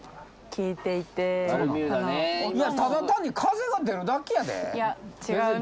ただ単に風が出るだけやで。